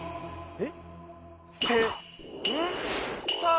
えっ？